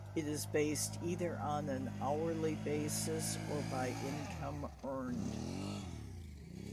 It is based either on an hourly basis or by income earned.